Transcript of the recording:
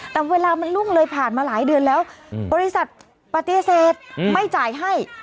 แต่เวลามันล่วงเลยผ่านมาหลายเดือนแล้วบริษัทปฏิเสธไม่จ่ายให้